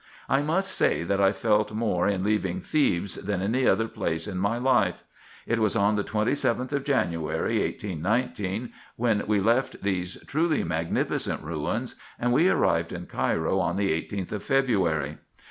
I must say, that I felt more in leaving Thebes, than any other place in my life. It was on the 27th of January, 1819, when we left these truly magnificent ruins, and we arrived in Cairo on the 18th of February.